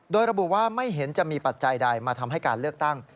โดยระบุว่าไม่เห็นจะมีปัจจัยใดมาทำให้การเลือกตั้ง